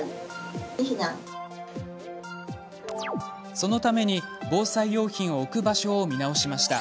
そのために、防災用品を置く場所を見直しました。